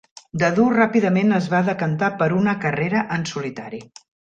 Dadoo ràpidament es va decantar per una carrera en solitari.